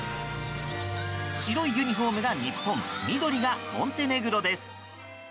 白いユニホームが日本緑がモンテネグロです。